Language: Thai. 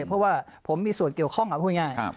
เพราะว่าผมมีส่วนเกี่ยวข้องเอาพูดง่าย